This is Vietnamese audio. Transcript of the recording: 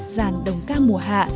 giàn đồng ca mùa hạ